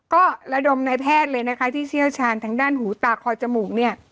ก็ระดมนายแพทย์เลยนะคะที่เชี่ยวชาญทางด้านหูตาคอจมูกเนี่ย